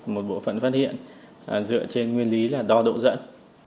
một bộ phận phát hiện dựa trên nguyên lý là đo độ dẫn